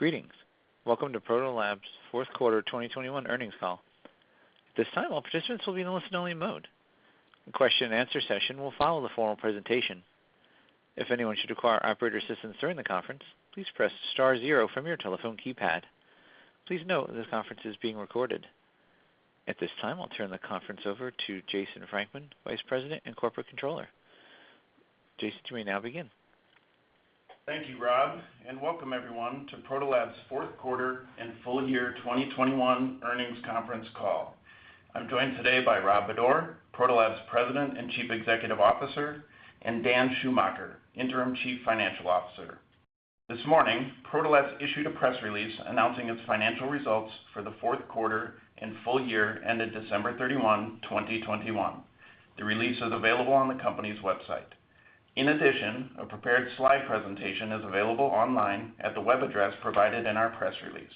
Greetings. Welcome to Proto Labs' fourth quarter 2021 earnings call. This time all participants will be in listen-only mode. The question-and-answer session will follow the formal presentation. If anyone should require operator assistance during the conference, please press star zero from your telephone keypad. Please note this conference is being recorded. At this time, I'll turn the conference over to Jason Frankman, Vice President and Corporate Controller. Jason, you may now begin. Thank you, Rob, and welcome everyone to Proto Labs' fourth quarter and full year 2021 earnings conference call. I'm joined today by Rob Bodor, Proto Labs' President and Chief Executive Officer, and Dan Schumacher, Interim Chief Financial Officer. This morning, Proto Labs issued a press release announcing its financial results for the fourth quarter and full year ended December 31, 2021. The release is available on the company's website. In addition, a prepared slide presentation is available online at the web address provided in our press release.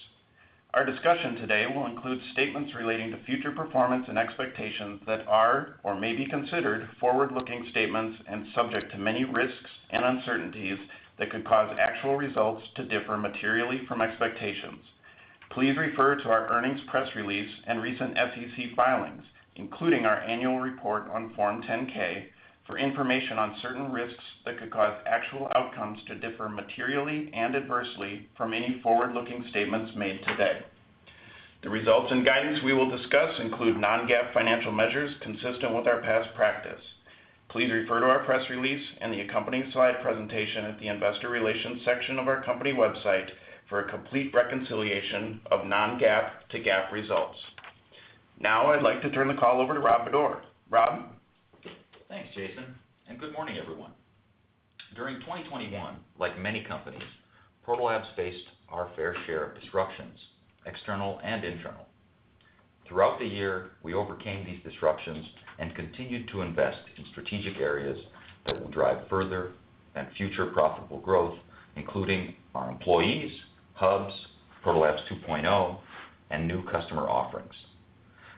Our discussion today will include statements relating to future performance and expectations that are or may be considered forward-looking statements and subject to many risks and uncertainties that could cause actual results to differ materially from expectations. Please refer to our earnings press release and recent SEC filings, including our annual report on Form 10-K, for information on certain risks that could cause actual outcomes to differ materially and adversely from any forward-looking statements made today. The results and guidance we will discuss include non-GAAP financial measures consistent with our past practice. Please refer to our press release and the accompanying slide presentation at the investor relations section of our company website for a complete reconciliation of non-GAAP to GAAP results. Now I'd like to turn the call over to Rob Bodor. Rob? Thanks, Jason, and good morning, everyone. During 2021, like many companies, Proto Labs faced our fair share of disruptions, external and internal. Throughout the year, we overcame these disruptions and continued to invest in strategic areas that will drive further and future profitable growth, including our employees, Hubs, Proto Labs 2.0, and new customer offerings.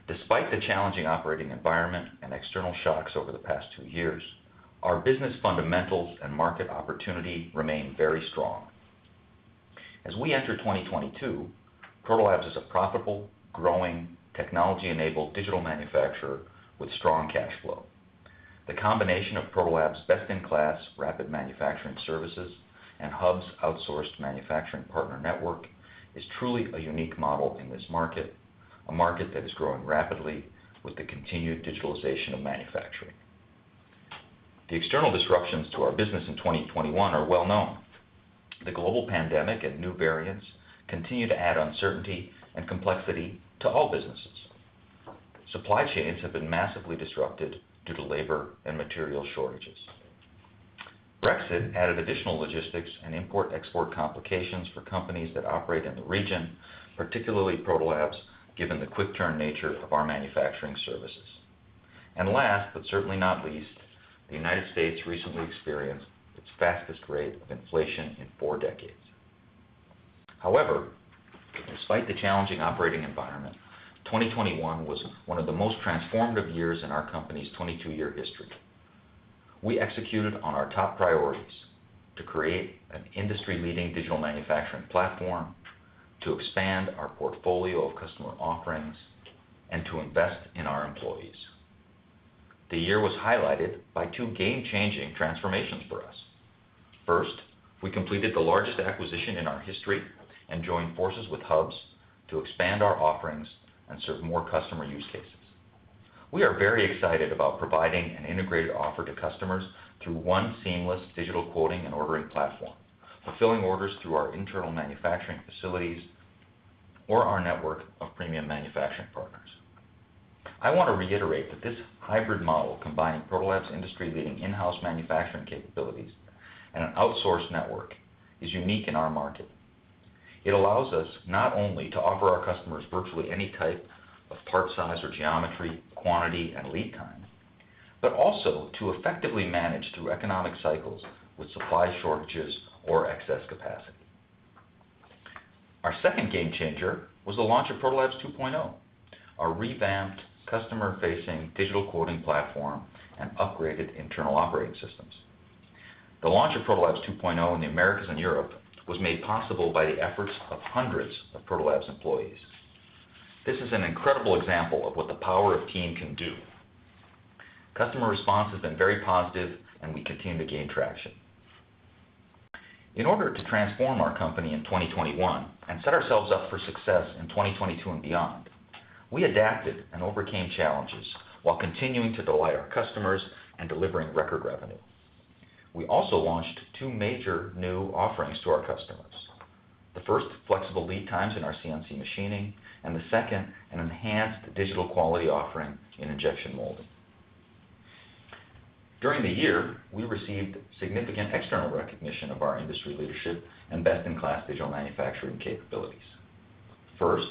Despite the challenging operating environment and external shocks over the past two years, our business fundamentals and market opportunity remain very strong. As we enter 2022, Proto Labs is a profitable, growing technology-enabled digital manufacturer with strong cash flow. The combination of Proto Labs' best-in-class rapid manufacturing services and Hubs outsourced manufacturing partner network is truly a unique model in this market, a market that is growing rapidly with the continued digitalization of manufacturing. The external disruptions to our business in 2021 are well known. The global pandemic and new variants continue to add uncertainty and complexity to all businesses. Supply chains have been massively disrupted due to labor and material shortages. Brexit added additional logistics and import-export complications for companies that operate in the region, particularly Proto Labs, given the quick-turn nature of our manufacturing services. Last, but certainly not least, the United States recently experienced its fastest rate of inflation in four decades. However, despite the challenging operating environment, 2021 was one of the most transformative years in our company's 22-year history. We executed on our top priorities to create an industry-leading digital manufacturing platform, to expand our portfolio of customer offerings, and to invest in our employees. The year was highlighted by two game-changing transformations for us. First, we completed the largest acquisition in our history and joined forces with Hubs to expand our offerings and serve more customer use cases. We are very excited about providing an integrated offer to customers through one seamless digital quoting and ordering platform, fulfilling orders through our internal manufacturing facilities or our network of premium manufacturing partners. I want to reiterate that this hybrid model combining Proto Labs' industry-leading in-house manufacturing capabilities and an outsourced network is unique in our market. It allows us not only to offer our customers virtually any type of part size or geometry, quantity, and lead time, but also to effectively manage through economic cycles with supply shortages or excess capacity. Our second game changer was the launch of Proto Labs 2.0, our revamped customer-facing digital quoting platform and upgraded internal operating systems. The launch of Proto Labs 2.0 in the Americas and Europe was made possible by the efforts of hundreds of Proto Labs employees. This is an incredible example of what the power of team can do. Customer response has been very positive and we continue to gain traction. In order to transform our company in 2021 and set ourselves up for success in 2022 and beyond, we adapted and overcame challenges while continuing to delight our customers and delivering record revenue. We also launched two major new offerings to our customers. The first, flexible lead times in our CNC machining, and the second, an enhanced digital quality offering in injection molding. During the year, we received significant external recognition of our industry leadership and best-in-class digital manufacturing capabilities. First,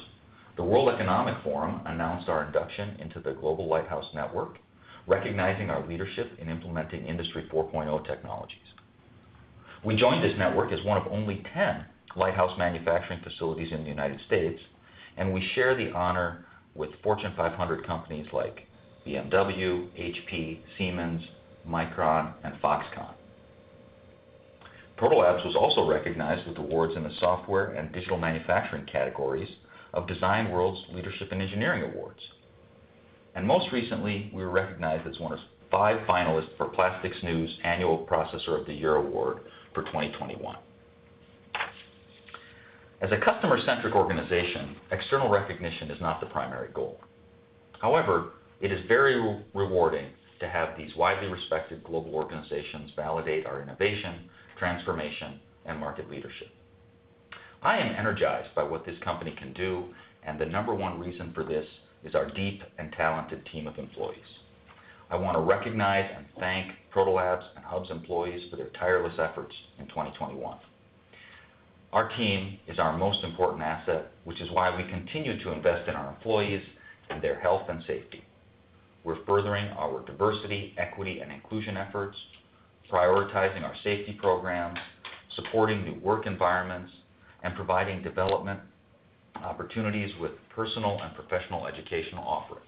the World Economic Forum announced our induction into the Global Lighthouse Network, recognizing our leadership in implementing Industry 4.0 technologies. We joined this network as one of only 10 lighthouse manufacturing facilities in the United States, and we share the honor with Fortune 500 companies like BMW, HP, Siemens, Micron, and Foxconn. Proto Labs was also recognized with awards in the software and digital manufacturing categories of Design World's Leadership in Engineering Awards. Most recently, we were recognized as one of five finalists for Plastics News Annual Processor of the Year Award for 2021. As a customer-centric organization, external recognition is not the primary goal. However, it is very rewarding to have these widely respected global organizations validate our innovation, transformation, and market leadership. I am energized by what this company can do, and the number one reason for this is our deep and talented team of employees. I wanna recognize and thank Proto Labs and Hubs employees for their tireless efforts in 2021. Our team is our most important asset, which is why we continue to invest in our employees and their health and safety. We're furthering our diversity, equity, and inclusion efforts, prioritizing our safety programs, supporting new work environments, and providing development opportunities with personal and professional educational offerings.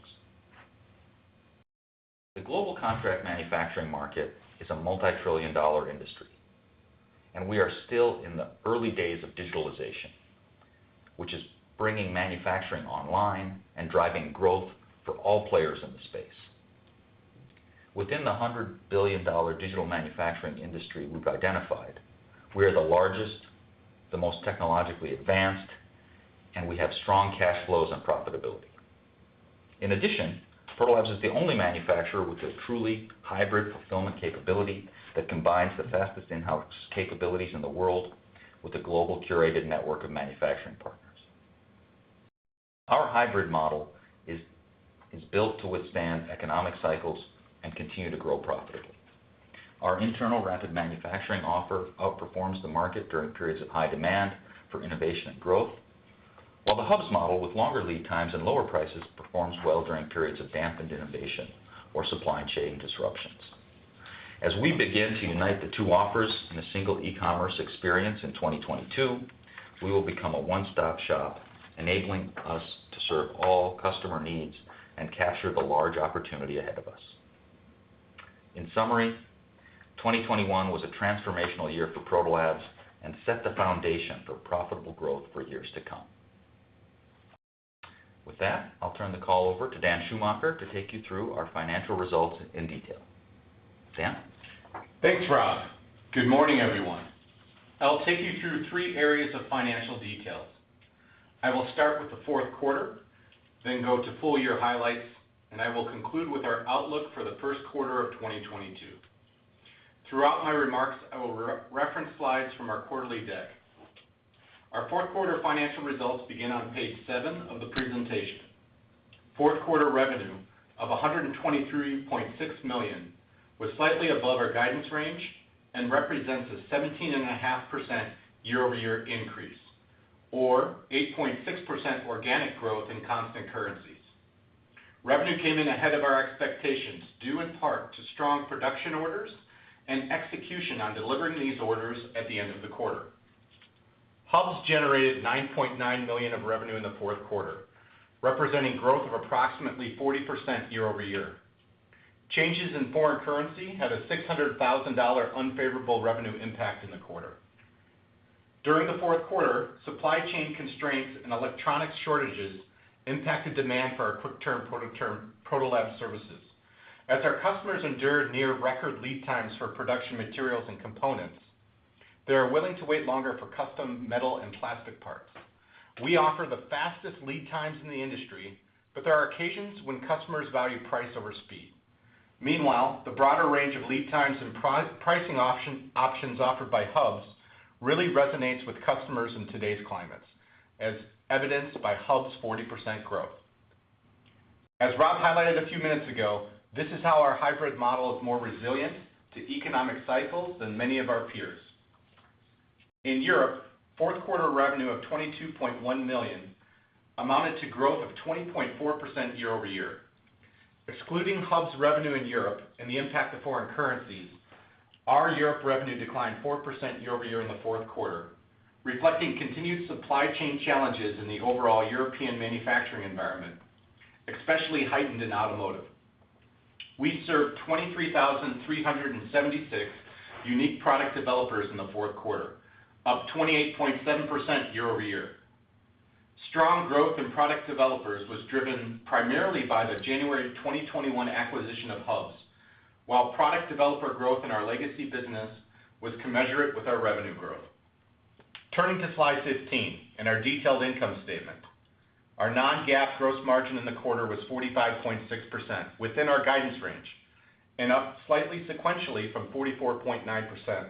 The global contract manufacturing market is a multi-trillion-dollar industry, and we are still in the early days of digitalization, which is bringing manufacturing online and driving growth for all players in the space. Within the $100 billion digital manufacturing industry we've identified, we are the largest, the most technologically advanced, and we have strong cash flows and profitability. In addition, Proto Labs is the only manufacturer with a truly hybrid fulfillment capability that combines the fastest in-house capabilities in the world with a global curated network of manufacturing partners. Our hybrid model is built to withstand economic cycles and continue to grow profitably. Our internal rapid manufacturing offer outperforms the market during periods of high demand for innovation and growth. While the Hubs model with longer lead times and lower prices performs well during periods of dampened innovation or supply chain disruptions. As we begin to unite the two offers in a single e-commerce experience in 2022, we will become a one-stop-shop, enabling us to serve all customer needs and capture the large opportunity ahead of us. In summary, 2021 was a transformational year for Proto Labs and set the foundation for profitable growth for years to come. With that, I'll turn the call over to Dan Schumacher to take you through our financial results in detail. Dan? Thanks, Rob. Good morning, everyone. I'll take you through three areas of financial details. I will start with the fourth quarter, then go to full-year highlights, and I will conclude with our outlook for the first quarter of 2022. Throughout my remarks, I will reference slides from our quarterly deck. Our fourth quarter financial results begin on page 7 of the presentation. Fourth quarter revenue of $123.6 million was slightly above our guidance range and represents a 17.5% year-over-year increase or 8.6% organic growth in constant currencies. Revenue came in ahead of our expectations, due in part to strong production orders and execution on delivering these orders at the end of the quarter. Hubs generated $9.9 million of revenue in the fourth quarter, representing growth of approximately 40% year-over-year. Changes in foreign currency had a $600,000 unfavorable revenue impact in the quarter. During the fourth quarter, supply chain constraints and electronic shortages impacted demand for our quick-turn Proto Labs services. As our customers endured near record lead times for production materials and components, they are willing to wait longer for custom metal and plastic parts. We offer the fastest lead times in the industry, but there are occasions when customers value price over speed. Meanwhile, the broader range of lead times and pricing options offered by Hubs really resonates with customers in today's climate, as evidenced by Hubs' 40% growth. As Rob highlighted a few minutes ago, this is how our hybrid model is more resilient to economic cycles than many of our peers. In Europe, fourth quarter revenue of $22.1 million amounted to growth of 20.4% year-over-year. Excluding Hubs revenue in Europe and the impact of foreign currencies, our Europe revenue declined 4% year-over-year in the fourth quarter, reflecting continued supply chain challenges in the overall European manufacturing environment, especially heightened in automotive. We served 23,376 unique product developers in the fourth quarter, up 28.7% year-over-year. Strong growth in product developers was driven primarily by the January 2021 acquisition of Hubs, while product developer growth in our legacy business was commensurate with our revenue growth. Turning to slide 15 and our detailed income statement. Our non-GAAP gross margin in the quarter was 45.6% within our guidance range and up slightly sequentially from 44.9%.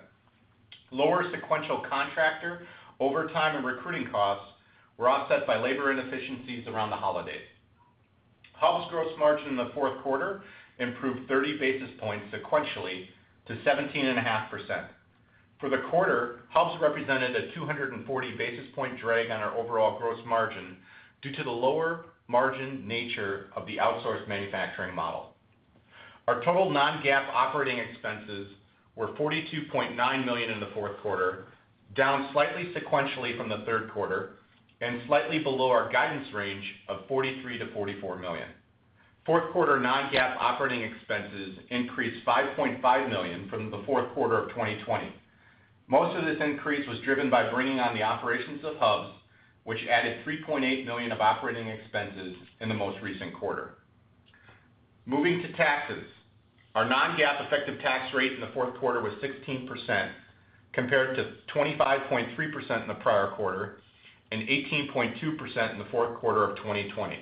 Lower sequential contractor overtime and recruiting costs were offset by labor inefficiencies around the holidays. Hubs gross margin in the fourth quarter improved 30 basis points sequentially to 17.5%. For the quarter, Hubs represented a 240 basis point drag on our overall gross margin due to the lower margin nature of the outsourced manufacturing model. Our total non-GAAP operating expenses were $42.9 million in the fourth quarter, down slightly sequentially from the third quarter and slightly below our guidance range of $43 million-$44 million. Fourth quarter non-GAAP operating expenses increased $5.5 million from the fourth quarter of 2020. Most of this increase was driven by bringing on the operations of Hubs, which added $3.8 million of operating expenses in the most recent quarter. Moving to taxes, our non-GAAP effective tax rate in the fourth quarter was 16% compared to 25.3% in the prior quarter and 18.2% in the fourth quarter of 2020.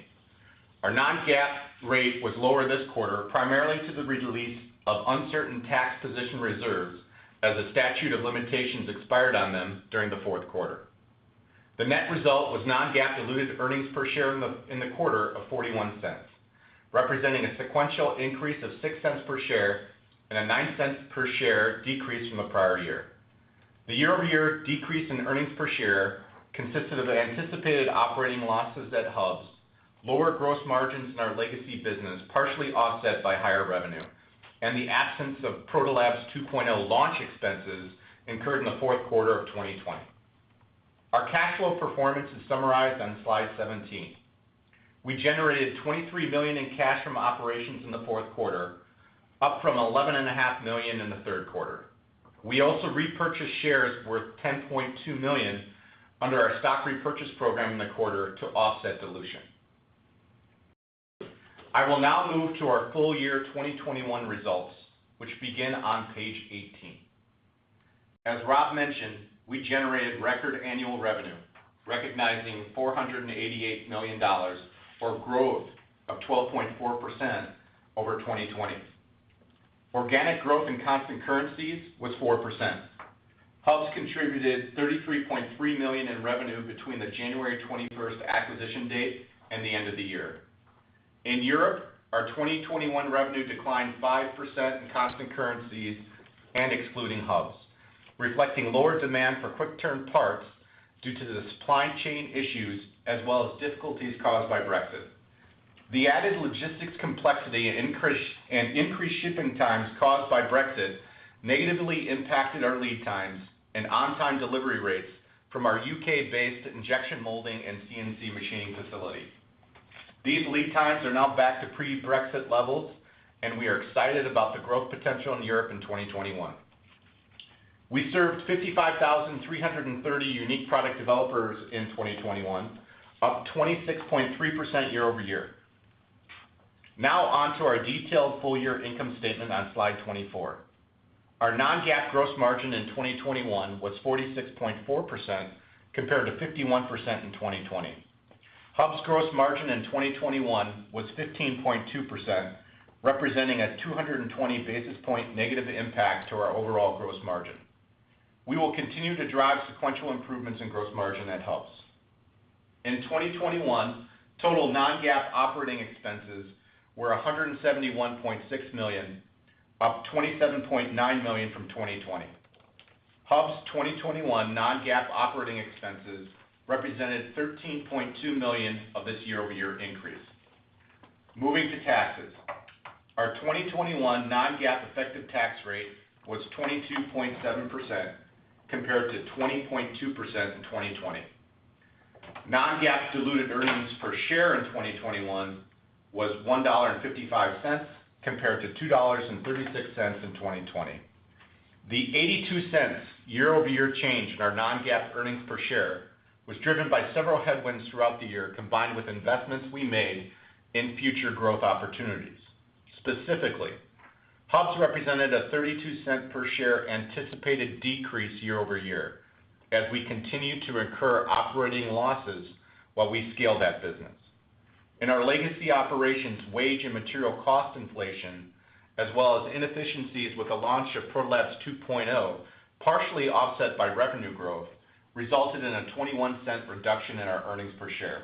Our non-GAAP rate was lower this quarter, primarily due to the release of uncertain tax position reserves as the statute of limitations expired on them during the fourth quarter. The net result was non-GAAP diluted earnings per share in the quarter of $0.41, representing a sequential increase of $0.06 per share and a $0.09 per share decrease from the prior year. The year-over-year decrease in earnings per share consisted of anticipated operating losses at Hubs, lower gross margins in our legacy business, partially offset by higher revenue, and the absence of Proto Labs 2.0 launch expenses incurred in the fourth quarter of 2020. Our cash flow performance is summarized on slide 17. We generated $23 million in cash from operations in the fourth quarter, up from $11.5 million in the third quarter. We also repurchased shares worth $10.2 million under our stock repurchase program in the quarter to offset dilution. I will now move to our full year 2021 results, which begin on page 18. As Rob mentioned, we generated record annual revenue, recognizing $488 million, a growth of 12.4% over 2020. Organic growth in constant currencies was 4%. Hubs contributed $33.3 million in revenue between the January 21 acquisition date and the end of the year. In Europe, our 2021 revenue declined 5% in constant currencies and excluding Hubs, reflecting lower demand for quick-turn parts due to the supply chain issues as well as difficulties caused by Brexit. The added logistics complexity and increased shipping times caused by Brexit negatively impacted our lead times and on-time delivery rates from our U.K.-based injection molding and CNC machining facilities. These lead times are now back to pre-Brexit levels, and we are excited about the growth potential in Europe in 2021. We served 55,330 unique product developers in 2021, up 26.3% year-over-year. Now on to our detailed full-year income statement on slide 24. Our non-GAAP gross margin in 2021 was 46.4% compared to 51% in 2020. Hubs' gross margin in 2021 was 15.2%, representing a 220 basis point negative impact to our overall gross margin. We will continue to drive sequential improvements in gross margin at Hubs. In 2021, total non-GAAP operating expenses were $171.6 million, up $27.9 million from 2020. Hubs' 2021 non-GAAP operating expenses represented $13.2 million of this year-over-year increase. Moving to taxes. Our 2021 non-GAAP effective tax rate was 22.7% compared to 20.2% in 2020. Non-GAAP diluted earnings per share in 2021 was $1.55 compared to $2.36 in 2020. The $0.82 year-over-year change in our non-GAAP earnings per share was driven by several headwinds throughout the year combined with investments we made in future growth opportunities. Specifically, Hubs represented a $0.32 per share anticipated decrease year-over-year as we continue to incur operating losses while we scale that business. In our legacy operations, wage and material cost inflation, as well as inefficiencies with the launch of Proto Labs 2.0, partially offset by revenue growth, resulted in a $0.21 reduction in our earnings per share.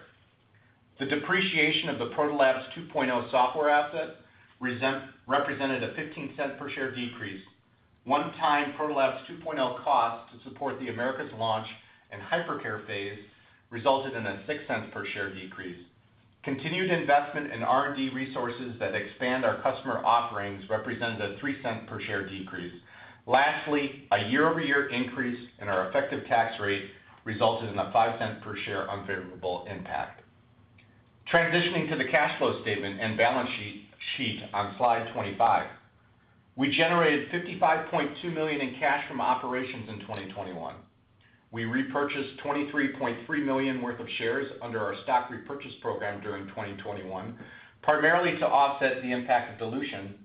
The depreciation of the Proto Labs 2.0 software asset represented a $0.15 per share decrease. One-time Proto Labs 2.0 costs to support the Americas launch and hypercare phase resulted in a $0.06 per share decrease. Continued investment in R&D resources that expand our customer offerings represented a $0.03 per share decrease. Lastly, a year-over-year increase in our effective tax rate resulted in a $0.05 per share unfavorable impact. Transitioning to the cash flow statement and balance sheet on slide 25. We generated $55.2 million in cash from operations in 2021. We repurchased $23.3 million worth of shares under our stock repurchase program during 2021, primarily to offset the impact of dilution,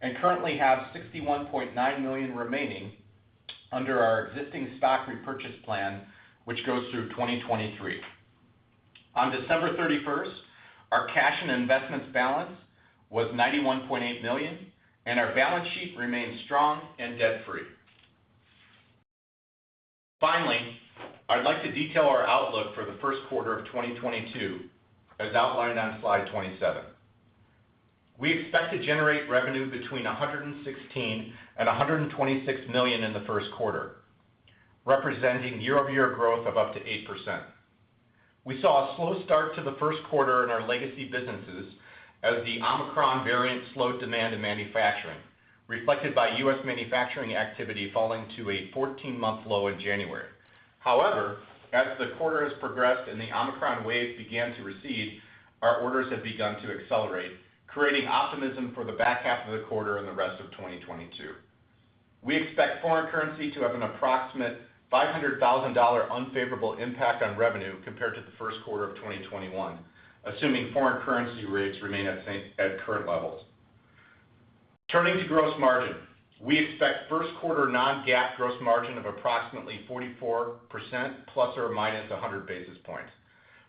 and currently have $61.9 million remaining under our existing stock repurchase plan, which goes through 2023. On December 31, our cash and investments balance was $91.8 million, and our balance sheet remains strong and debt-free. Finally, I'd like to detail our outlook for the first quarter of 2022, as outlined on slide 27. We expect to generate revenue between $116 million and $126 million in the first quarter, representing year-over-year growth of up to 8%. We saw a slow start to the first quarter in our legacy businesses as the Omicron variant slowed demand in manufacturing, reflected by U.S. manufacturing activity falling to a 14-month low in January. As the quarter has progressed and the Omicron wave began to recede, our orders have begun to accelerate, creating optimism for the back half of the quarter and the rest of 2022. We expect foreign currency to have an approximate $500,000 unfavorable impact on revenue compared to the first quarter of 2021, assuming foreign currency rates remain at current levels. Turning to gross margin, we expect first quarter non-GAAP gross margin of approximately 44% ±100 basis points.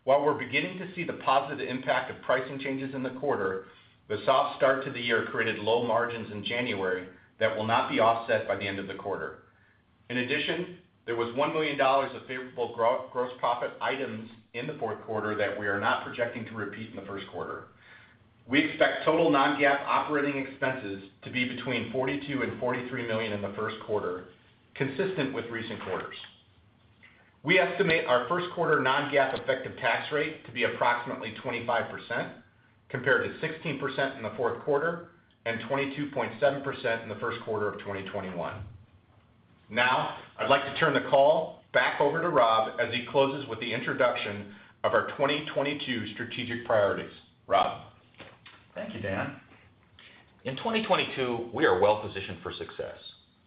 While we're beginning to see the positive impact of pricing changes in the quarter, the soft start to the year created low margins in January that will not be offset by the end of the quarter. In addition, there was $1 million of favorable gross profit items in the fourth quarter that we are not projecting to repeat in the first quarter. We expect total non-GAAP operating expenses to be between $42 million and $43 million in the first quarter, consistent with recent quarters. We estimate our first quarter non-GAAP effective tax rate to be approximately 25% compared to 16% in the fourth quarter and 22.7% in the first quarter of 2021. Now I'd like to turn the call back over to Rob as he closes with the introduction of our 2022 strategic priorities. Rob? Thank you, Dan. In 2022, we are well positioned for success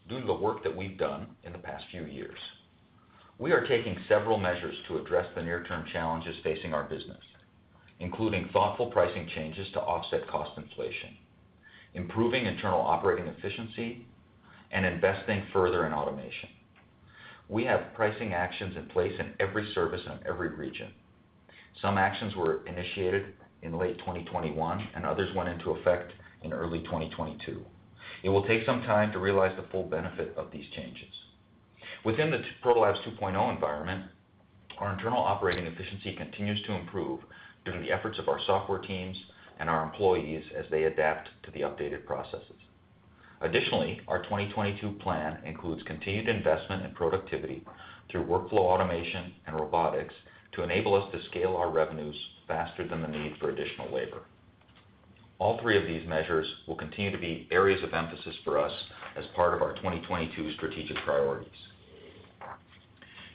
due to the work that we've done in the past few years. We are taking several measures to address the near-term challenges facing our business, including thoughtful pricing changes to offset cost inflation, improving internal operating efficiency, and investing further in automation. We have pricing actions in place in every service and every region. Some actions were initiated in late 2021, and others went into effect in early 2022. It will take some time to realize the full benefit of these changes. Within the Proto Labs 2.0 environment, our internal operating efficiency continues to improve due to the efforts of our software teams and our employees as they adapt to the updated processes. Additionally, our 2022 plan includes continued investment in productivity through workflow automation and robotics to enable us to scale our revenues faster than the need for additional labor. All three of these measures will continue to be areas of emphasis for us as part of our 2022 strategic priorities.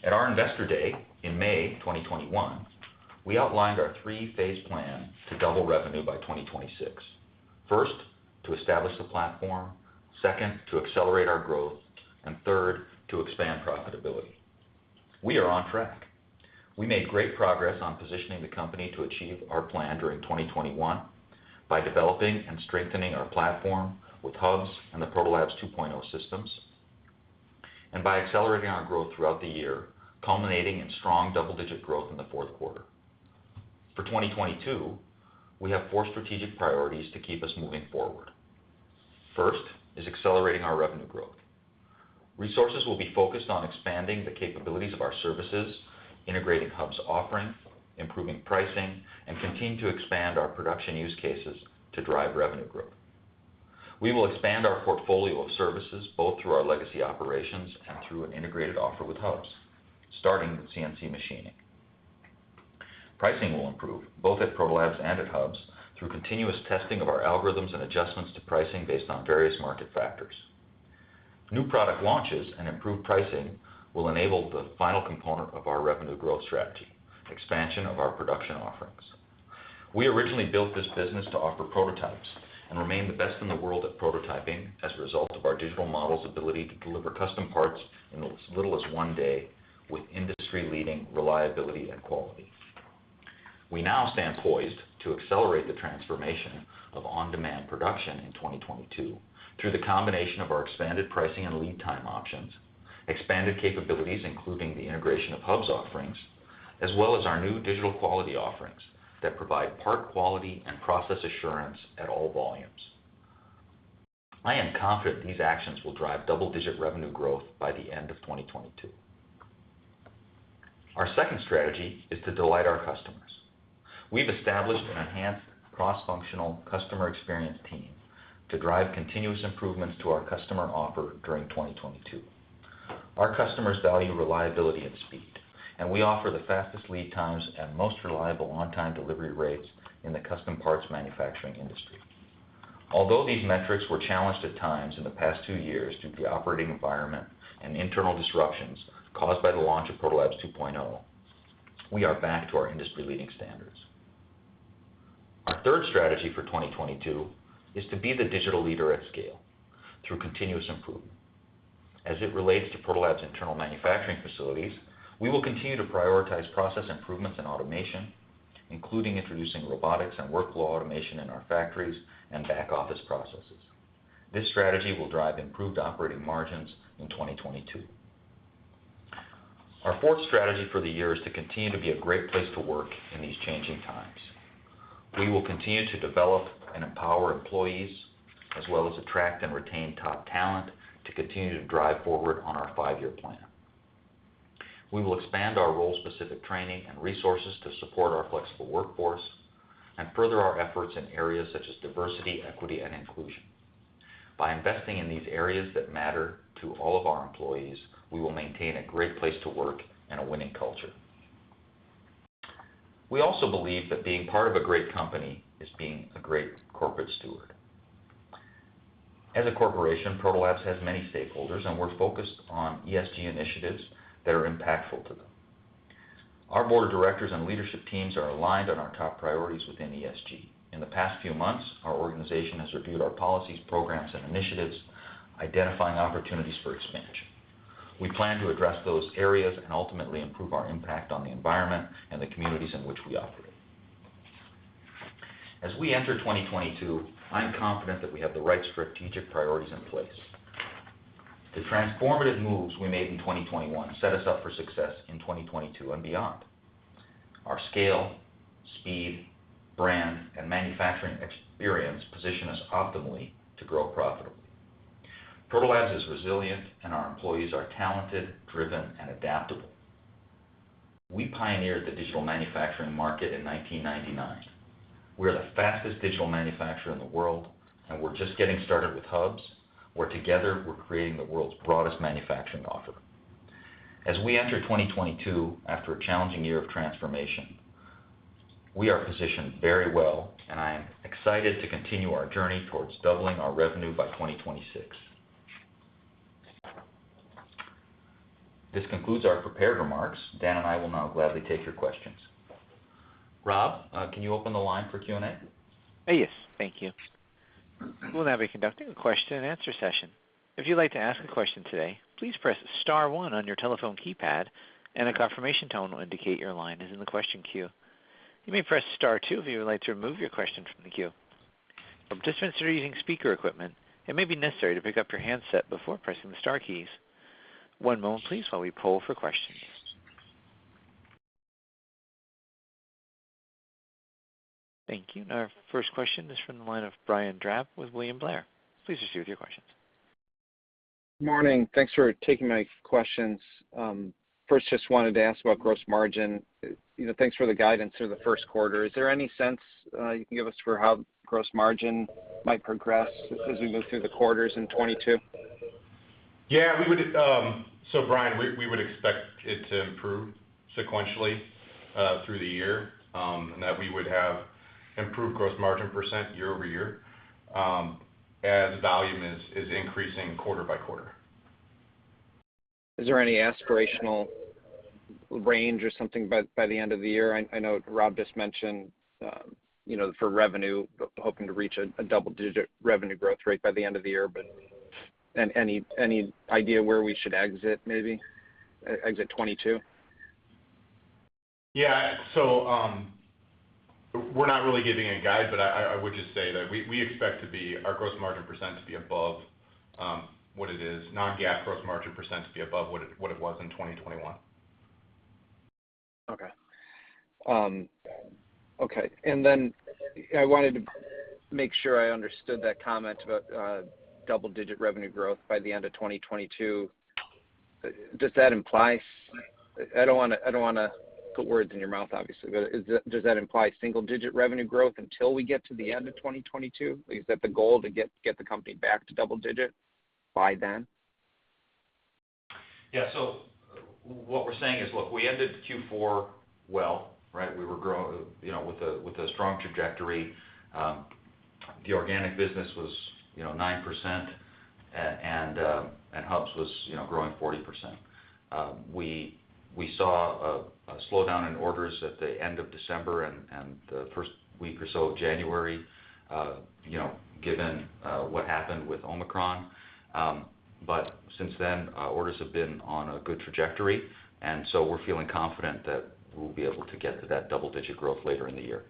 At our Investor Day in May 2021, we outlined our three-phase plan to double revenue by 2026. First, to establish the platform. Second, to accelerate our growth. Third, to expand profitability. We are on track. We made great progress on positioning the company to achieve our plan during 2021 by developing and strengthening our platform with Hubs and the Proto Labs 2.0 systems, and by accelerating our growth throughout the year, culminating in strong double-digit growth in the fourth quarter. For 2022, we have four strategic priorities to keep us moving forward. First is accelerating our revenue growth. Resources will be focused on expanding the capabilities of our services, integrating Hubs offering, improving pricing, and continue to expand our production use cases to drive revenue growth. We will expand our portfolio of services both through our legacy operations and through an integrated offer with Hubs, starting with CNC machining. Pricing will improve both at Proto Labs and at Hubs through continuous testing of our algorithms and adjustments to pricing based on various market factors. New product launches and improved pricing will enable the final component of our revenue growth strategy, expansion of our production offerings. We originally built this business to offer prototypes and remain the best in the world at prototyping as a result of our digital model's ability to deliver custom parts in as little as one day with industry-leading reliability and quality. We now stand poised to accelerate the transformation of on-demand production in 2022 through the combination of our expanded pricing and lead time options, expanded capabilities, including the integration of Hubs offerings, as well as our new digital quality offerings that provide part quality and process assurance at all volumes. I am confident these actions will drive double-digit revenue growth by the end of 2022. Our second strategy is to delight our customers. We've established an enhanced cross-functional customer experience team to drive continuous improvements to our customer offer during 2022. Our customers value reliability and speed, and we offer the fastest lead times and most reliable on-time delivery rates in the custom parts manufacturing industry. Although these metrics were challenged at times in the past two years due to the operating environment and internal disruptions caused by the launch of Proto Labs 2.0, we are back to our industry-leading standards. Our third strategy for 2022 is to be the digital leader at scale through continuous improvement. As it relates to Proto Labs' internal manufacturing facilities, we will continue to prioritize process improvements and automation, including introducing robotics and workflow automation in our factories and back-office processes. This strategy will drive improved operating margins in 2022. Our fourth strategy for the year is to continue to be a great place to work in these changing times. We will continue to develop and empower employees, as well as attract and retain top talent to continue to drive forward on our five-year plan. We will expand our role-specific training and resources to support our flexible workforce and further our efforts in areas such as diversity, equity, and inclusion. By investing in these areas that matter to all of our employees, we will maintain a great place to work and a winning culture. We also believe that being part of a great company is being a great corporate steward. As a corporation, Proto Labs has many stakeholders, and we're focused on ESG initiatives that are impactful to them. Our board of directors and leadership teams are aligned on our top priorities within ESG. In the past few months, our organization has reviewed our policies, programs and initiatives, identifying opportunities for expansion. We plan to address those areas and ultimately improve our impact on the environment and the communities in which we operate. As we enter 2022, I'm confident that we have the right strategic priorities in place. The transformative moves we made in 2021 set us up for success in 2022 and beyond. Our scale, speed, brand, and manufacturing experience position us optimally to grow profitably. Proto Labs is resilient, and our employees are talented, driven, and adaptable. We pioneered the digital manufacturing market in 1999. We are the fastest digital manufacturer in the world, and we're just getting started with Hubs, where together we're creating the world's broadest manufacturing offer. As we enter 2022 after a challenging year of transformation, we are positioned very well, and I am excited to continue our journey towards doubling our revenue by 2026. This concludes our prepared remarks. Dan and I will now gladly take your questions. Rob, can you open the line for Q&A? Yes. Thank you. We'll now be conducting a question and answer session. If you'd like to ask a question today, please press star one on your telephone keypad, and a confirmation tone will indicate your line is in the question queue. You may press star two if you would like to remove your question from the queue. Participants who are using speaker equipment, it may be necessary to pick up your handset before pressing the star keys. One moment please while we poll for questions. Thank you. Our first question is from the line of Brian Drab with William Blair. Please proceed with your questions. Morning, thanks for taking my questions. First, just wanted to ask about gross margin. You know, thanks for the guidance through the first quarter. Is there any sense you can give us for how gross margin might progress as we move through the quarters in 2022? Yeah. We would expect it to improve sequentially through the year, and that we would have improved gross margin percent year-over-year, as volume is increasing quarter by quarter. Is there any aspirational range or something by the end of the year? I know Rob just mentioned, you know, for revenue, hoping to reach a double digit revenue growth rate by the end of the year. Any idea where we should exit maybe 2022? We're not really giving a guide, but I would just say that we expect our gross margin percent to be above what it is, non-GAAP gross margin percent to be above what it was in 2021. Okay. Okay. Then I wanted to make sure I understood that comment about double digit revenue growth by the end of 2022. Does that imply I don't wanna put words in your mouth, obviously, but does that imply single digit revenue growth until we get to the end of 2022? Is that the goal to get the company back to double digit by then? Yeah. What we're saying is, look, we ended Q4 well, right? We were, you know, with a strong trajectory. The organic business was, you know, 9% and Hubs was, you know, growing 40%. We saw a slowdown in orders at the end of December and the first week or so of January, you know, given what happened with Omicron. Since then, orders have been on a good trajectory, and so we're feeling confident that we'll be able to get to that double-digit growth later in the year.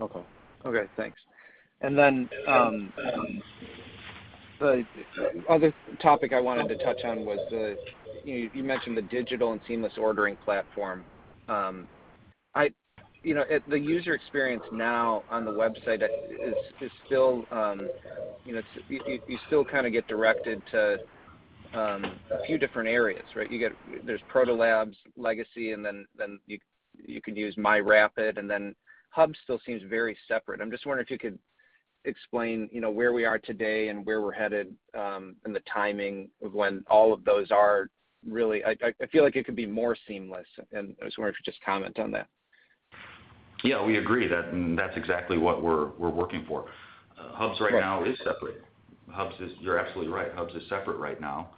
Okay, thanks. The other topic I wanted to touch on was the digital and seamless ordering platform you mentioned. You know, the user experience now on the website is still, you know, you still kinda get directed to a few different areas, right? There's Proto Labs legacy, and then you could use myRapid, and then Hubs still seems very separate. I'm just wondering if you could explain, you know, where we are today and where we're headed, and the timing of when all of those are really. I feel like it could be more seamless, and I was wondering if you could just comment on that. Yeah, we agree. That's exactly what we're working for. Hubs right now is separate. You're absolutely right. Hubs is separate right now.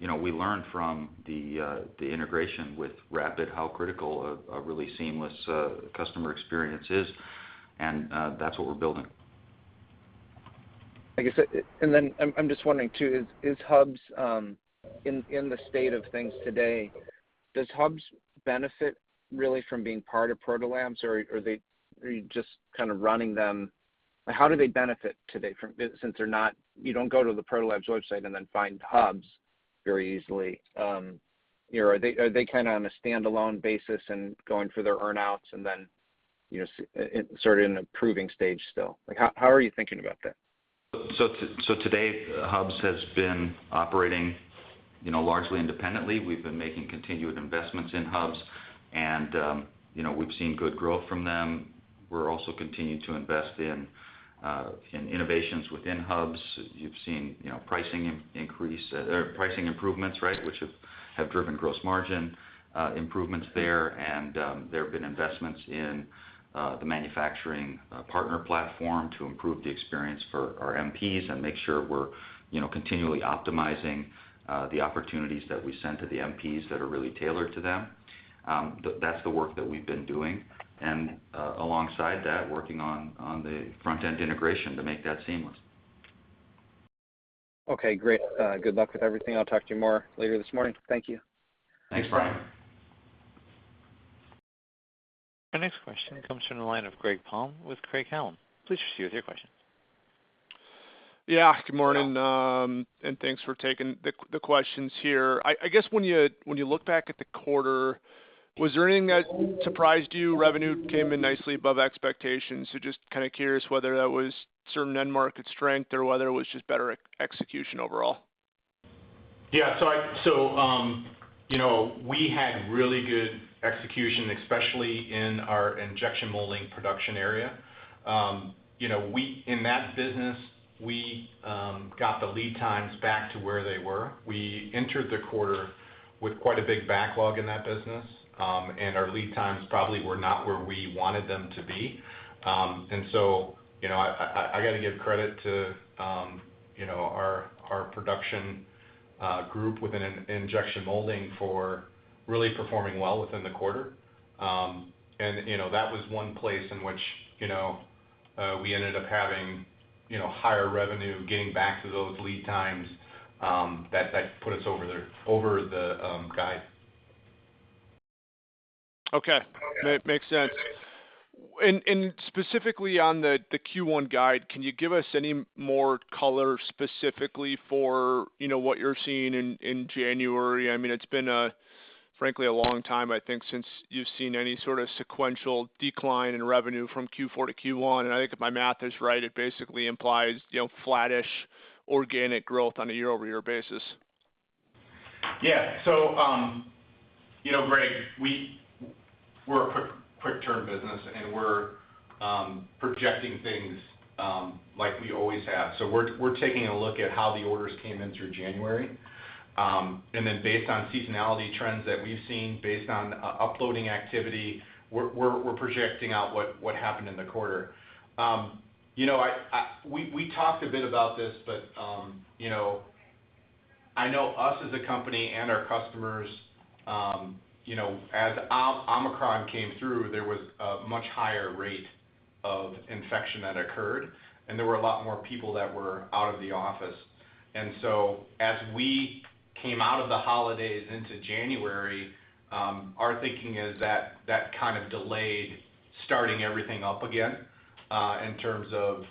You know, we learned from the integration with Rapid how critical a really seamless customer experience is, and that's what we're building. I guess, and then I'm just wondering too, is Hubs in the state of things today. Does Hubs benefit really from being part of Proto Labs or are you just kind of running them? How do they benefit today? Since they're not, you don't go to the Proto Labs website and then find Hubs very easily. You know, are they kinda on a standalone basis and going through their earn outs and then, you know, sort of in a proving stage still? Like, how are you thinking about that? Today, Hubs has been operating, you know, largely independently. We've been making continued investments in Hubs and, you know, we've seen good growth from them. We're also continuing to invest in innovations within Hubs. You've seen, you know, pricing improvements, right? Which have driven gross margin improvements there. There have been investments in the manufacturing partner platform to improve the experience for our MPs and make sure we're, you know, continually optimizing the opportunities that we send to the MPs that are really tailored to them. That's the work that we've been doing. Alongside that, working on the front-end integration to make that seamless. Okay, great. Good luck with everything. I'll talk to you more later this morning. Thank you. Thanks, Brian. Our next question comes from the line of Greg Palm with Craig-Hallum. Please proceed with your question. Yeah, good morning. Hello. Thanks for taking the questions here. I guess when you look back at the quarter, was there anything that surprised you? Revenue came in nicely above expectations, so just kinda curious whether that was certain end market strength or whether it was just better execution overall. We had really good execution, especially in our injection molding production area. We, in that business, got the lead times back to where they were. We entered the quarter with quite a big backlog in that business, and our lead times probably were not where we wanted them to be. I gotta give credit to our production group within injection molding for really performing well within the quarter. That was one place in which we ended up having higher revenue, getting back to those lead times, that put us over the guide. Okay. Yeah. Makes sense. Specifically on the Q1 guide, can you give us any more color specifically for, you know, what you're seeing in January? I mean, it's been, frankly, a long time, I think, since you've seen any sort of sequential decline in revenue from Q4 to Q1. I think if my math is right, it basically implies, you know, flattish organic growth on a year-over-year basis. You know, Greg, we're a quick turn business, and we're projecting things like we always have. We're taking a look at how the orders came in through January. Based on seasonality trends that we've seen, based on uploading activity, we're projecting out what happened in the quarter. We talked a bit about this, but you know, I know us as a company and our customers, you know, as Omicron came through, there was a much higher rate of infection that occurred, and there were a lot more people that were out of the office. As we came out of the holidays into January, our thinking is that that kind of delayed starting everything up again, in terms of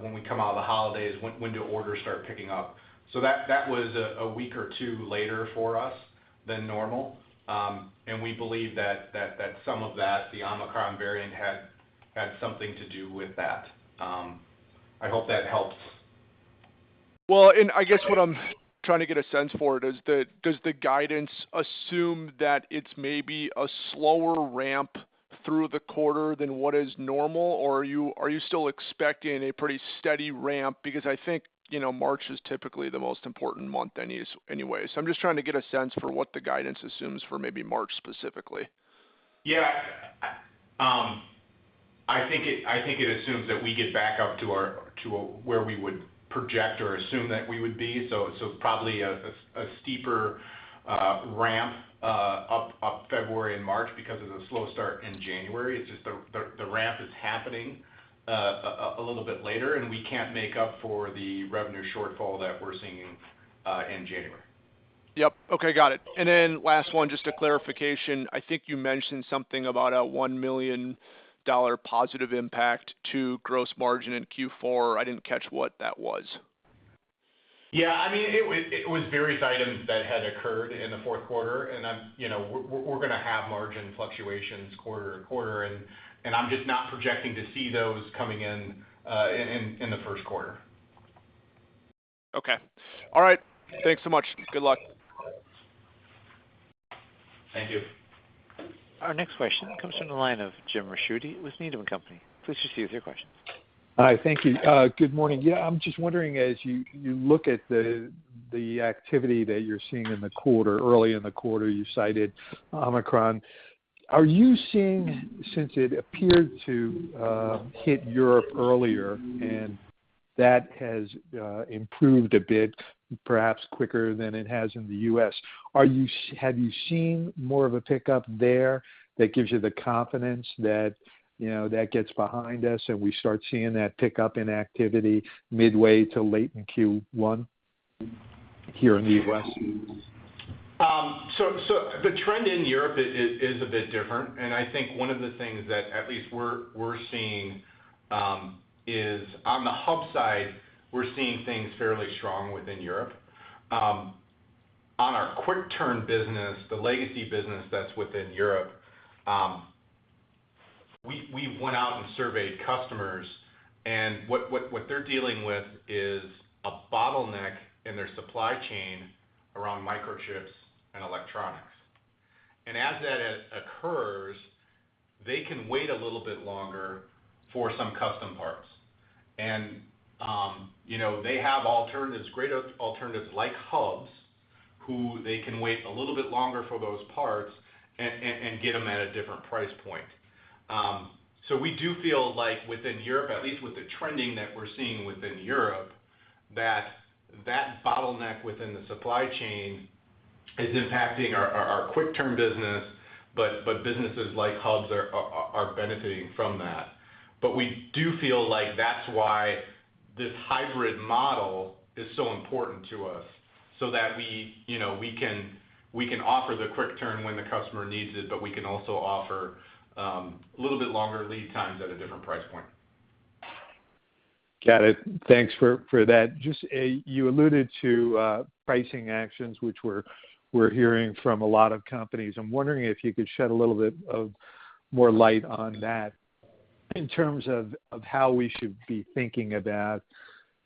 when we come out of the holidays, when do orders start picking up. That was a week or two later for us than normal. We believe that some of that, the Omicron variant had something to do with that. I hope that helps. Well, I guess what I'm trying to get a sense for is the, does the guidance assume that it's maybe a slower ramp through the quarter than what is normal, or are you still expecting a pretty steady ramp? Because I think, you know, March is typically the most important month anyway. I'm just trying to get a sense for what the guidance assumes for maybe March specifically. Yeah. I think it assumes that we get back up to where we would project or assume that we would be. Probably a steeper ramp up February and March because of the slow start in January. It's just the ramp is happening a little bit later, and we can't make up for the revenue shortfall that we're seeing in January. Yep. Okay, got it. Last one, just a clarification. I think you mentioned something about a $1 million positive impact to gross margin in Q4. I didn't catch what that was. Yeah. I mean, it was various items that had occurred in the fourth quarter. I'm, you know, we're gonna have margin fluctuations quarter to quarter and I'm just not projecting to see those coming in in the first quarter. Okay. All right. Thanks so much. Good luck. Thank you. Our next question comes from the line of James Ricchiuti with Needham & Company. Please proceed with your question. Hi. Thank you. Good morning. Yeah, I'm just wondering, as you look at the activity that you're seeing in the quarter, early in the quarter, you cited Omicron. Are you seeing, since it appeared to hit Europe earlier and that has improved a bit, perhaps quicker than it has in the U.S., have you seen more of a pickup there that gives you the confidence that, you know, that gets behind us and we start seeing that pickup in activity midway to late in Q1 here in the U.S.? The trend in Europe is a bit different. I think one of the things that at least we're seeing is on the Hubs side, we're seeing things fairly strong within Europe. On our quick-turn business, the legacy business that's within Europe, we went out and surveyed customers, and what they're dealing with is a bottleneck in their supply chain around microchips and electronics. As that occurs, they can wait a little bit longer for some custom parts. You know, they have alternatives, great alternatives like Hubs, with whom they can wait a little bit longer for those parts and get them at a different price point. We do feel like within Europe, at least with the trends that we're seeing within Europe, that bottleneck within the supply chain is impacting our quick-turn business, but businesses like Hubs are benefiting from that. We do feel like that's why this hybrid model is so important to us, so that we, you know, we can offer the quick-turn when the customer needs it, but we can also offer a little bit longer lead times at a different price point. Got it. Thanks for that. Just, you alluded to pricing actions, which we're hearing from a lot of companies. I'm wondering if you could shed a little bit of more light on that in terms of how we should be thinking about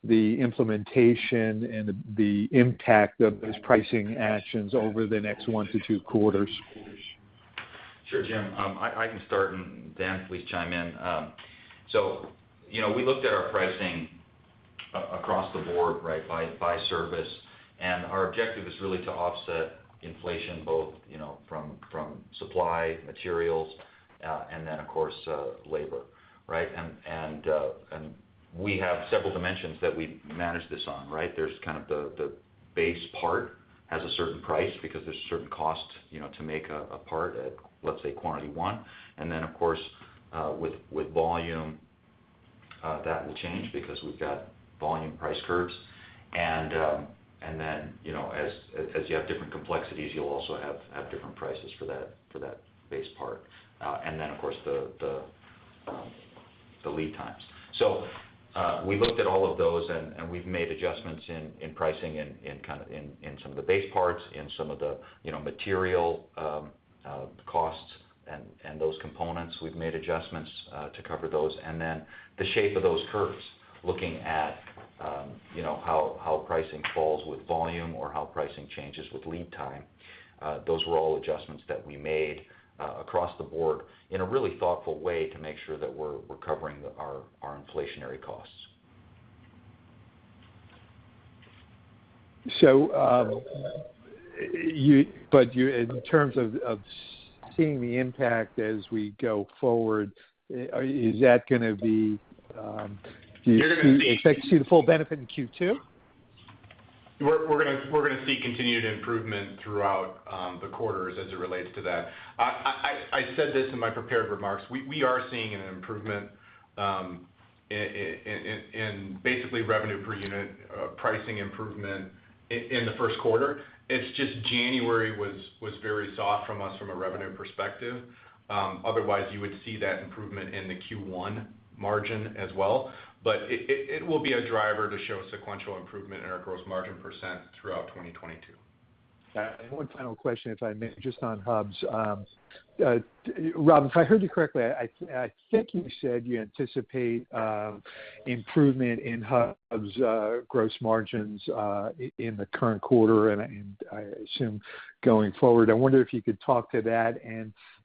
the implementation and the impact of those pricing actions over the next 1-2 quarters. Sure, Jim. I can start, and Dan, please chime in. You know, we looked at our pricing across the board, right, by service, and our objective is really to offset inflation both, you know, from supply, materials, and then, of course, labor, right? We have several dimensions that we manage this on, right? The base part has a certain price because there's certain costs, you know, to make a part at, let's say, quantity one. Then, of course, with volume, that will change because we've got volume price curves. Then, you know, as you have different complexities, you'll also have different prices for that base part. Then, of course, the lead times. We looked at all of those, and we've made adjustments in pricing in kind of in some of the base parts, in some of the, you know, material costs and those components. We've made adjustments to cover those. The shape of those curves, looking at, you know, how pricing falls with volume or how pricing changes with lead time. Those were all adjustments that we made across the board in a really thoughtful way to make sure that we're covering our inflationary costs. In terms of seeing the impact as we go forward, is that gonna be You're gonna see. Do you expect to see the full benefit in Q2? We're gonna see continued improvement throughout the quarters as it relates to that. I said this in my prepared remarks. We are seeing an improvement in basically revenue per unit, pricing improvement in the first quarter. It's just January was very soft from us from a revenue perspective. Otherwise, you would see that improvement in the Q1 margin as well. It will be a driver to show sequential improvement in our gross margin percent throughout 2022. Got it. One final question, if I may, just on Hubs. Rob, if I heard you correctly, I think you said you anticipate improvement in Hubs gross margins in the current quarter and I assume going forward. I wonder if you could talk to that.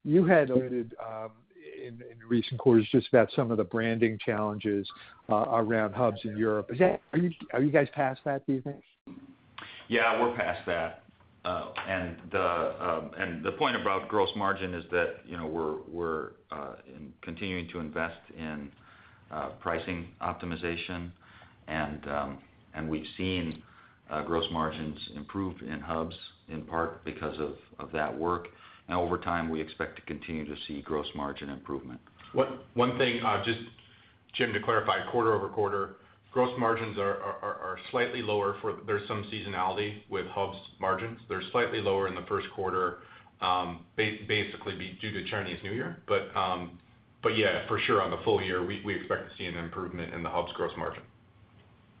You had alluded in recent quarters just about some of the branding challenges around Hubs in Europe. Is that. Are you guys past that, do you think? Yeah, we're past that. The point about gross margin is that, you know, we're continuing to invest in pricing optimization and we've seen gross margins improve in Hubs in part because of that work. Over time, we expect to continue to see gross margin improvement. One thing, just Jim, to clarify, quarter-over-quarter, gross margins are slightly lower. There's some seasonality with Hubs margins. They're slightly lower in the first quarter, basically due to Chinese New Year. Yeah, for sure on the full year, we expect to see an improvement in the Hubs gross margin.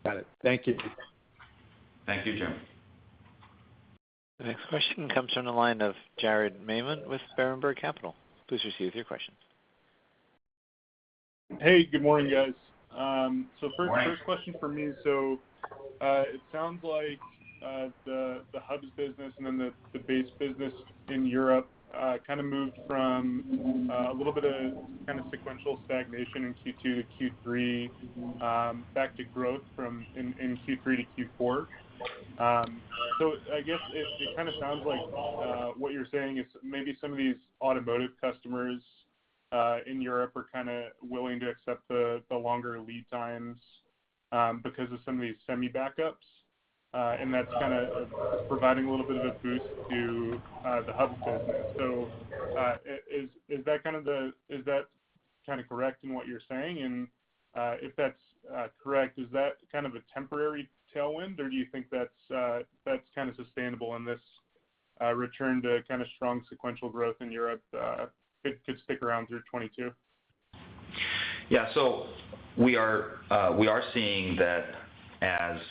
Got it. Thank you. Thank you, Jim. The next question comes from the line of Jared Maymon with Berenberg Capital. Please proceed with your question. Hey, good morning, guys. First- Good morning. First question from me. It sounds like the Hubs business and then the base business in Europe kind of moved from a little bit of kind of sequential stagnation in Q2 to Q3 back to growth in Q3 to Q4. I guess it kind of sounds like what you're saying is maybe some of these automotive customers in Europe are kinda willing to accept the longer lead times because of some of these semi backups and that's kinda providing a little bit of a boost to the Hubs business. Is that kinda correct in what you're saying? If that's correct, is that kind of a temporary tailwind, or do you think that's kinda sustainable in this return to kind of strong sequential growth in Europe, could stick around through 2022? Yeah. We are seeing that as,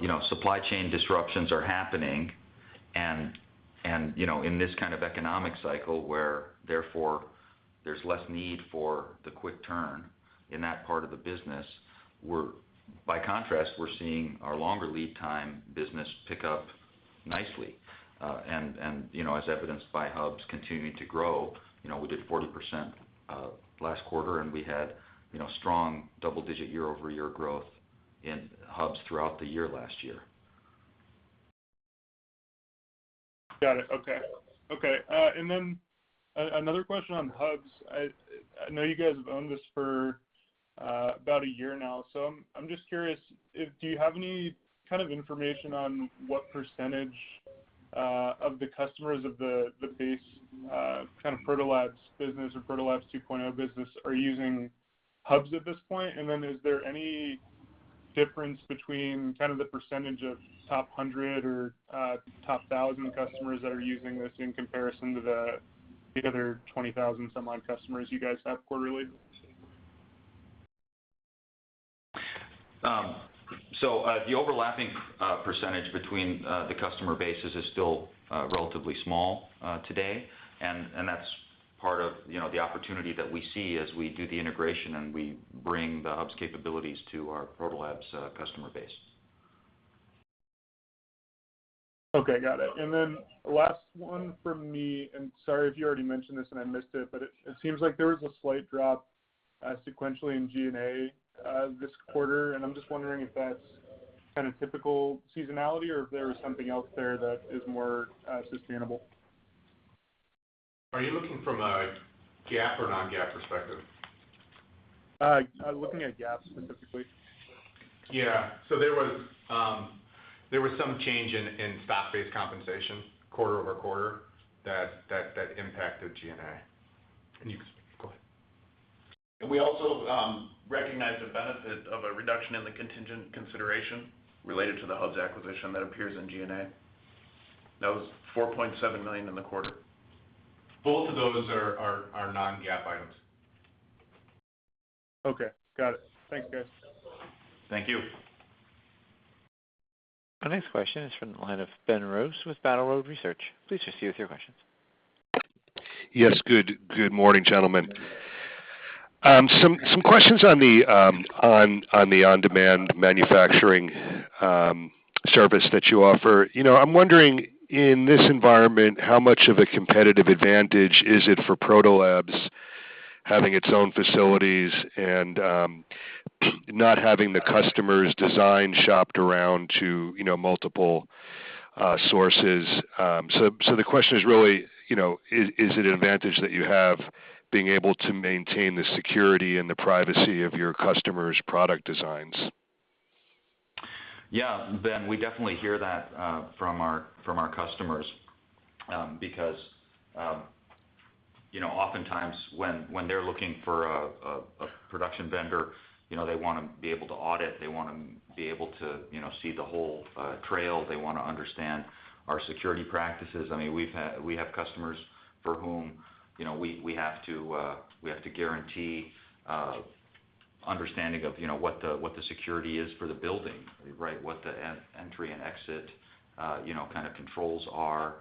you know, supply chain disruptions are happening and, you know, in this kind of economic cycle where therefore there's less need for the quick-turn in that part of the business. By contrast, we're seeing our longer lead time business pick up nicely. You know, as evidenced by Hubs continuing to grow. You know, we did 40% last quarter, and we had, you know, strong double-digit year-over-year growth in Hubs throughout the year last year. Got it. Okay. Another question on Hubs. I know you guys have owned this for about a year now, so I'm just curious if you have any kind of information on what percentage of the customers of the base kind of Proto Labs business or Proto Labs 2.0 business are using Hubs at this point? Is there any difference between kind of the percentage of top 100 or top 1,000 customers that are using this in comparison to the other 20,000-some-odd customers you guys have quarterly? The overlapping percentage between the customer bases is still relatively small today. That's part of, you know, the opportunity that we see as we do the integration and we bring the Hubs capabilities to our Proto Labs customer base. Okay, got it. Last one from me, and sorry if you already mentioned this and I missed it, but it seems like there was a slight drop sequentially in G&A this quarter. I'm just wondering if that's kind of typical seasonality or if there is something else there that is more sustainable. Are you looking from a GAAP or non-GAAP perspective? I'm looking at GAAP specifically. Yeah. There was some change in stock-based compensation quarter-over-quarter that impacted G&A. We also recognized the benefit of a reduction in the contingent consideration related to the Hubs acquisition that appears in G&A. That was $4.7 million in the quarter. Both of those are non-GAAP items. Okay, got it. Thanks, guys. Thank you. Our next question is from the line of Ben Rose with Battle Road Research. Please proceed with your questions. Yes. Good morning, gentlemen. Some questions on the on-demand manufacturing service that you offer. You know, I'm wondering in this environment, how much of a competitive advantage is it for Proto Labs having its own facilities and not having the customers design shopped around to, you know, multiple sources. So the question is really, you know, is it an advantage that you have being able to maintain the security and the privacy of your customers' product designs? Yeah. Ben, we definitely hear that from our customers because you know, oftentimes when they're looking for a production vendor, you know, they wanna be able to audit, they wanna be able to, you know, see the whole trail. They wanna understand our security practices. I mean, we have customers for whom, you know, we have to guarantee understanding of, you know, what the security is for the building, right? What the entry and exit, you know, kind of controls are.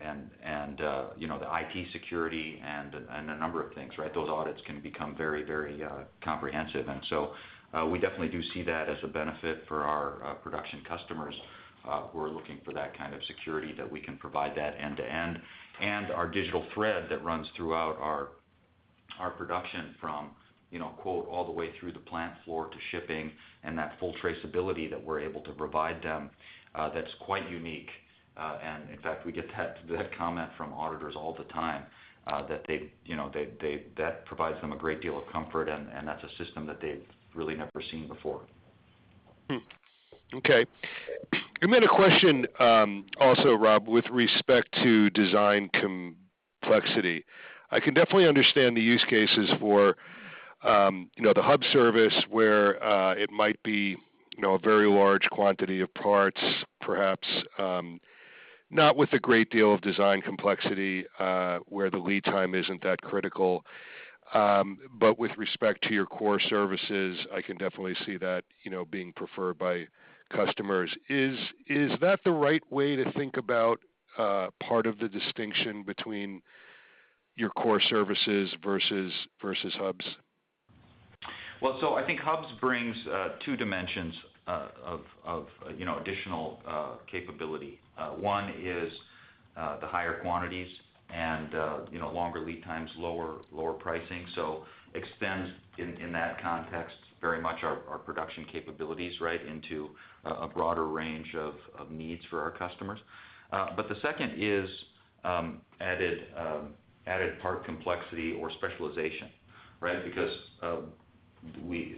And you know, the IT security and a number of things, right? Those audits can become very comprehensive. We definitely do see that as a benefit for our production customers who are looking for that kind of security that we can provide that end to end. Our digital thread that runs throughout our production from, you know, quote all the way through the plant floor to shipping and that full traceability that we're able to provide them, that's quite unique. In fact, we get that comment from auditors all the time, that they know that provides them a great deal of comfort and that's a system that they've really never seen before. A question, also, Rob, with respect to design complexity. I can definitely understand the use cases for, you know, the Hubs service where it might be, you know, a very large quantity of parts, perhaps, not with a great deal of design complexity, where the lead time isn't that critical. With respect to your core services, I can definitely see that, you know, being preferred by customers. Is that the right way to think about part of the distinction between your core services versus Hubs? I think Hubs brings two dimensions of you know additional capability. One is the higher quantities and you know longer lead times, lower pricing. It extends in that context very much our production capabilities right into a broader range of needs for our customers. The second is added part complexity or specialization, right? Because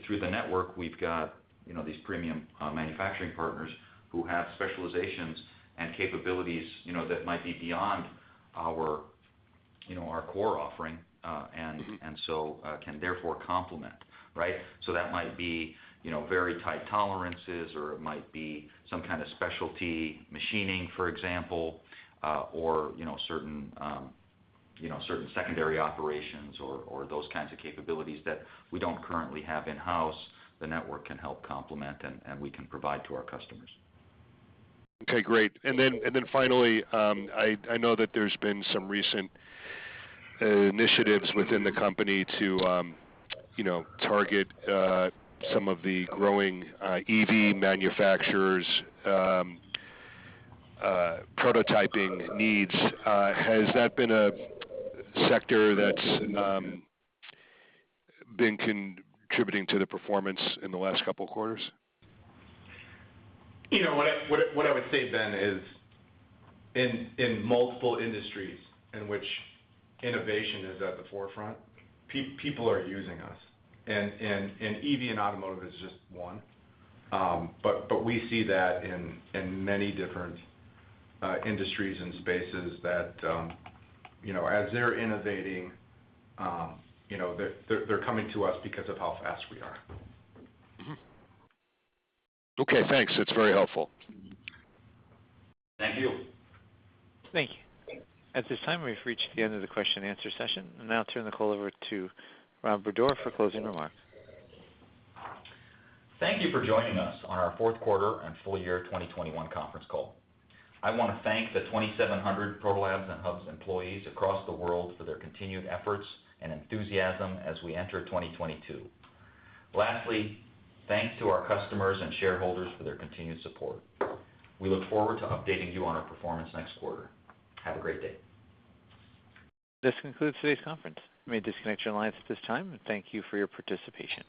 through the network, we've got you know these premium manufacturing partners who have specializations and capabilities you know that might be beyond our you know our core offering and so can therefore complement, right? That might be, you know, very tight tolerances, or it might be some kind of specialty machining, for example, or, you know, certain secondary operations or those kinds of capabilities that we don't currently have in-house, the network can help complement and we can provide to our customers. Okay, great. Finally, I know that there's been some recent initiatives within the company to you know target some of the growing EV manufacturers prototyping needs. Has that been a sector that's been contributing to the performance in the last couple quarters? You know what I would say then is in multiple industries in which innovation is at the forefront, people are using us. EV and automotive is just one. We see that in many different industries and spaces that you know as they're innovating you know they're coming to us because of how fast we are. Okay, thanks. That's very helpful. Thank you. Thank you. At this time, we've reached the end of the question and answer session. I'll now turn the call over to Rob Bodor for closing remarks. Thank you for joining us on our fourth quarter and full year 2021 conference call. I wanna thank the 2,700 Proto Labs and Hubs employees across the world for their continued efforts and enthusiasm as we enter 2022. Lastly, thanks to our customers and shareholders for their continued support. We look forward to updating you on our performance next quarter. Have a great day. This concludes today's conference. You may disconnect your lines at this time, and thank you for your participation.